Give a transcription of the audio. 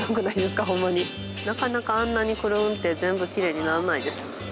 なかなかあんなにクルンって全部きれいにならないです。